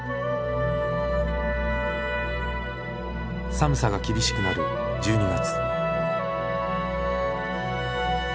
寒さが厳しくなる１２月。